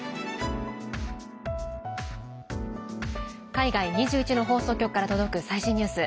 海外２１の放送局から届く最新ニュース。